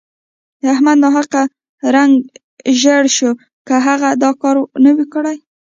احمد ناحقه رنګ ژړی شو که نه هغه دا کار نه وو کړی.